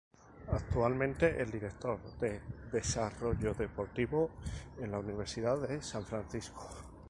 Actualmente es Director de Desarrollo Deportivo en la Universidad de San Francisco.